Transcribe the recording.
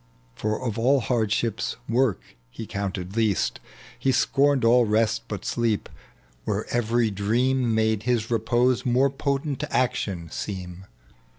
For of all hardship, work he counted least ; He scorned all rest but sleep, where every dream Made his repose more potent action seem.